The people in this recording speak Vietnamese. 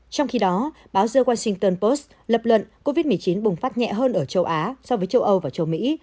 trong khi đó báo jerwashington post lập luận covid một mươi chín bùng phát nhẹ hơn ở châu á so với châu âu và châu mỹ